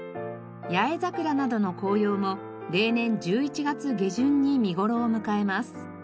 ヤエザクラなどの紅葉も例年１１月下旬に見頃を迎えます。